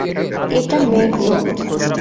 এটা মেইর রোড।